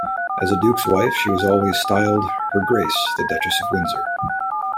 As a duke's wife, she was always styled "Her Grace The Duchess of Windsor".